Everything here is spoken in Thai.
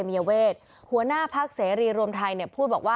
และความสุขของคุณค่ะ